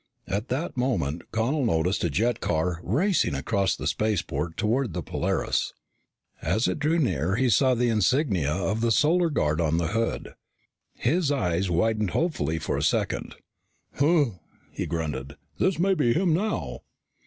At that moment Connel noticed a jet car racing across the spaceport toward the Polaris. As it drew near, he saw the insigne of the Solar Guard on the hood. His eyes widened hopefully for a second. "Humph," he grunted, "this may be him now!"